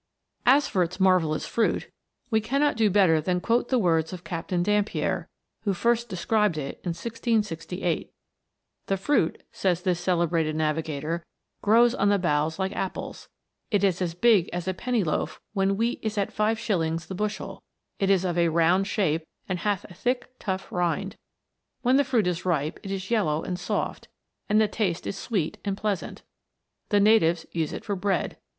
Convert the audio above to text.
As for its marvellous fruit, we cannot do better than quote the words of Captain Dampier, who first described it in 1688. "The fruit," says this cele brated navigator, " grows on the boughs like apples; it is as big as a penny loaf when wheat is at five shillings the bushel ; it is of a round shape, and hath a thick tough rind. When the fruit is ripe it is yellow and soft, and the taste is sweet and pleasant. The natives use it for bread.